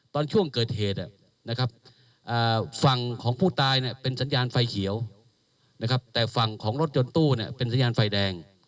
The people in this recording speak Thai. ตอนช่วงเกิดเหตุฝั่งของผู้ตายเป็นสัญญาณไฟเขียวนะครับแต่ฝั่งของรถยนต์ตู้เป็นสัญญาณไฟแดง